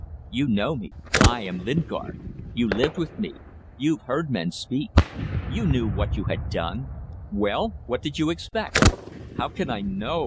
You know me. I am Lingard. You lived with me. You've heard men speak. You knew what you had done. Well! What did you expect?" "How can I know?"